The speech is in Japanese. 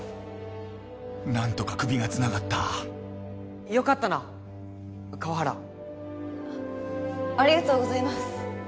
何とか首がつながったよかったな川原ありがとうございます